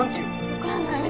わかんない。